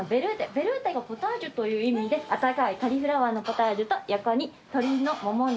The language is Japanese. ヴルーテがポタージュという意味で温かいカリフラワーのポタージュと横に鶏のもも肉